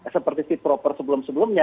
seperti fit proper sebelum sebelumnya